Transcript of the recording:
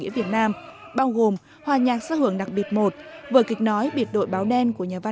vì nó là xã hội hóa